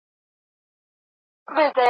څېړونکی د متن جوړښت ولي تحلیلوي؟